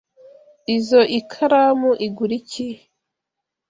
Izoi karamu igura iki?